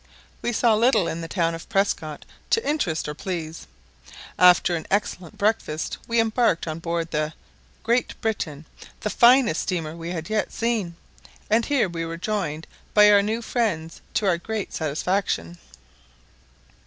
We saw little in the town of Prescott to interest or please. After an excellent breakfast we embarked on board the Great Britain, the finest steamer we had yet seen, and here we were joined by our new friends, to our great satisfaction.